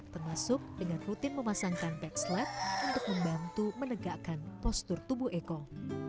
termasuk dengan rutin memasangkan backslap untuk membantu menegakkan postur tubuh ekor